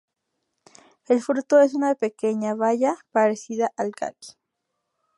El fruto es una pequeña baya parecida al kaki.